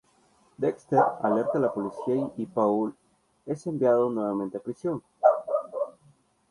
Dexter alerta a la policía y Paul es enviado nuevamente a prisión.